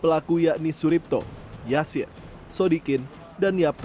pelaku kemudian mengambil uang melalui mesin atm berbeda